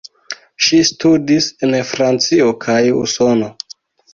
Ŝi studis en Francio kaj Usono.